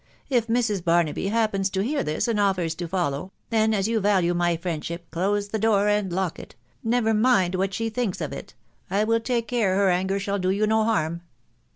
If Mrs. Barnaby happens to hear this, and offers to follow, then, as you value my friendship, close the door and lock it, — never mind what she thinks of it .... I will take care her anger shall do you no harm."